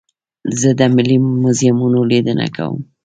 زه د ملي موزیمونو لیدنه کوم.